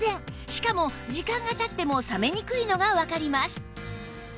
しかも時間が経っても冷めにくいのがわかります